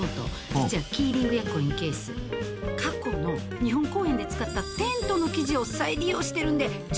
実はキーリングやコインケース過去の日本公演で使ったテントの生地を再利用してるんで丈夫でいいんですよ。